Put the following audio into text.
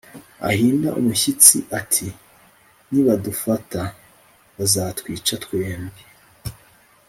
ahinda umushyitsi, ati « nibadufata, bazatwica twembi